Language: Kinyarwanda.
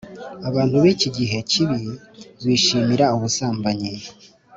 Abantu b’iki gihe kibi bishimira ubusambanyi